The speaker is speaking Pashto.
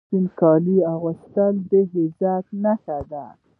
سپین کالي اغوستل د عزت نښه ده.